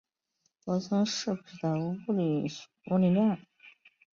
泊松式比的物理量。